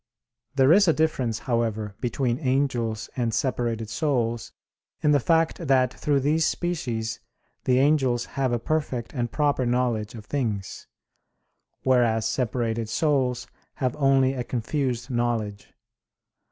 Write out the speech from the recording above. There is a difference, however, between angels and separated souls in the fact that through these species the angels have a perfect and proper knowledge of things; whereas separated souls have only a confused knowledge.